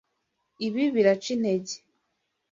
Ibi biraca intege.